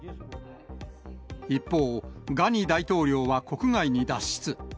一方、ガニ大統領は国外に脱出。